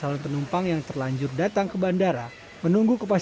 ada penerbangan untuk ke sana untuk jam sebelas